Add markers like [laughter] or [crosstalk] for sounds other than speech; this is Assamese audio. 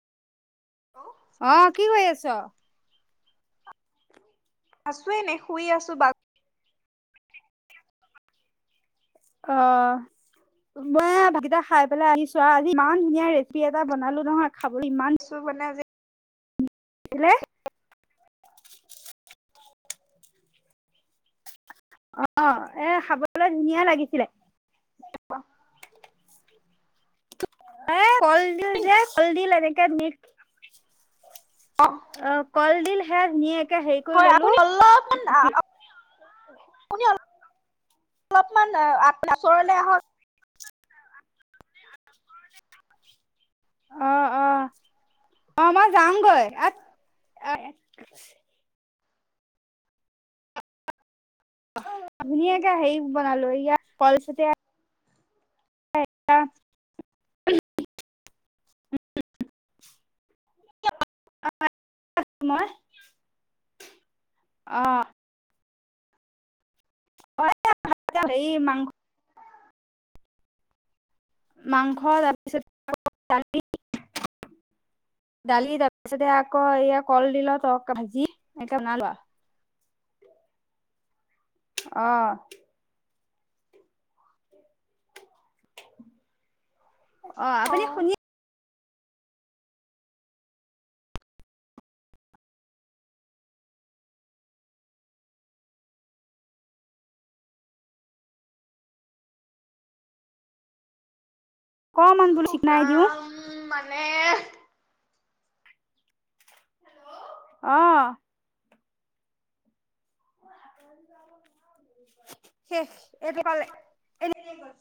আহ কি কৰি আছ? আছোৱেইে নে শুই আছো বা অ মই ভাত কেইটা খাই পেলাই আহিছো আৰু আজি ইমান ধুনীয়া ৰেচিপি এটা বনালো নহয়। খাবলৈ ইমান বাগৰিছো মানে আজি হৈছিলে। অ এ খাবলৈ ধুনীয়া লাগিছিলে। কেনেকুৱা? এ কলদিল যে কলদিল এনেকে নশ অ কলডিল হে নিয়ে হয় আপুনি অলপ মানে আপুনি। অলপমান আপুনি ওচৰলে আহক। আহ -আহ আহ মই যামগৈ আ আপুনিয়ে হেৰি বনালো ইয়াৰ পলচতিযা। [unintelligible] মই আহ। হয় হেৰী মাংস। মাংস তাৰপিছতে দালি দালি তাৰপিছতে আকৌ এয়া কলডিল তৰ কাৰি ভাজি এ বনালোৱা। আহ অ আপুনি শুনি অকমান বোলো চিকনাই শুভ্ৰা দিওঁ ৰাম মানে আহ [unintelligible] শেষ এইটো কালে এ